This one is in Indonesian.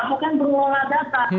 bukan pengelola data